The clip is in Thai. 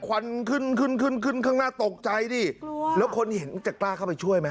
ควันขึ้นข้างหน้าตกใจดิแล้วคนที่เห็นจะกล้าเข้าไปช่วยไหม